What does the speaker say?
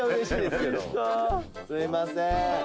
「すいませーん。